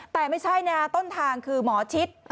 แต่ไม่ใช่นะต้นทางคือหมอชิด